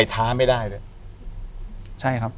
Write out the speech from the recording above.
อยู่ที่แม่ศรีวิรัยิลครับ